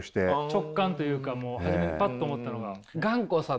直感というか初めにパッと思ったのが？